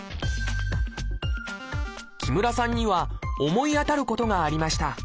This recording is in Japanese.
木村さんには思い当たることがありました。